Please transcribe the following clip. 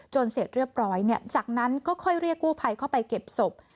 เสร็จเรียบร้อยจากนั้นก็ค่อยเรียกกู้ภัยเข้าไปเก็บศพ